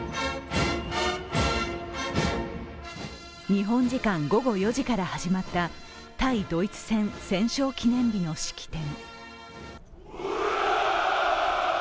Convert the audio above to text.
日本時間午後４時から始まった対ドイツ戦戦勝記念日の式典。